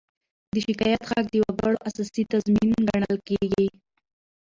د شکایت حق د وګړو اساسي تضمین ګڼل کېږي.